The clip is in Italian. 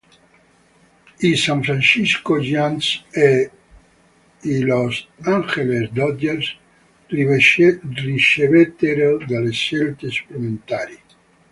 I San Francisco Giants e i Los Angeles Dodgers ricevettero delle scelte supplementari.